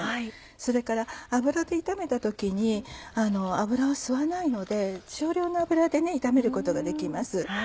それから油で炒めた時に油を吸わないので少量の油で炒めることができます。